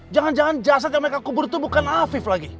jangan jangan jasad yang mereka kubur itu bukan afif lagi